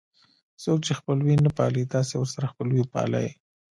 څوک چې خپلوي نه پالي تاسې ورسره خپلوي وپالئ.